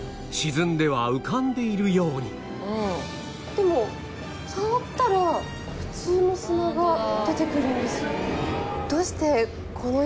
でも触ったら普通の砂が出てくるんですよね。